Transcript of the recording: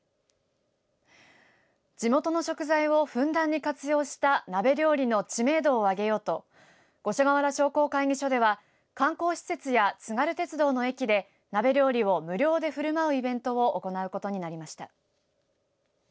地元の食材をふんだんに活用した鍋料理の知名度を上げようと五所川原商工会議所では観光施設や津軽鉄道の駅で鍋料理を無料でふるまうイベントを行うことになりました。